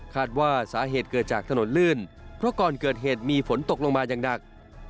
ว่าสาเหตุเกิดจากถนนลื่นเพราะก่อนเกิดเหตุมีฝนตกลงมาอย่างหนัก